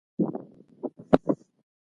که روزنه سمه نه وي نو کیفیت به هم ټیټ وي.